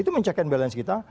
itu mencek and balance kita